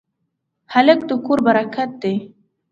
هلک د کور برکت دی.